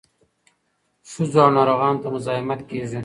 ښځو او ناروغانو ته مزاحمت کیږي.